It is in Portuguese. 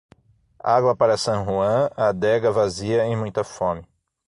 Água para San Juan, adega vazia e muita fome.